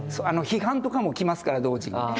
批判とかも来ますから同時に。